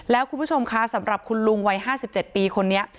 แล้วคุณผู้ชมคะสำหรับคุณลุงวัย๕๗ปีคนนี้